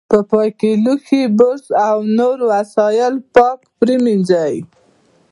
په پای کې لوښي، برش او نور وسایل پاک پرېمنځئ.